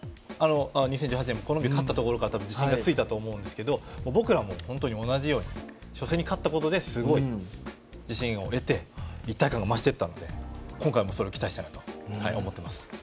２０１８年もコロンビアに勝ったことで自信がついたと思うんですけど僕らも同じように初戦に勝ったことですごい自信を得て一体感が増していったので今回もそれを期待したいと思っています。